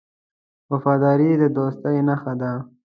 وفاداري د دوستۍ نښه ده.